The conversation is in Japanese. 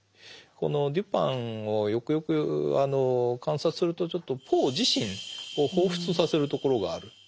このデュパンをよくよく観察するとちょっとポー自身を彷彿とさせるところがある。